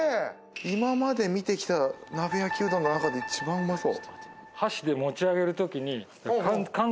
今まで見てきた鍋焼きうどんの中で一番うまそう。